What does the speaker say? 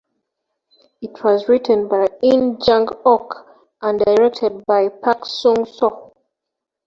It was written by In Jung-ok and directed by Park Sung-soo.